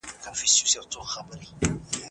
که ښځې دیپلوم ولري نو لیاقت به نه پټیږي.